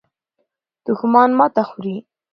دښمن ماته خوري.